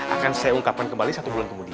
akan saya ungkapkan kembali satu bulan kemudian